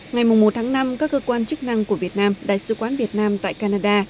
ngày một tháng năm các cơ quan chức năng của việt nam đại sứ quán việt nam tại canada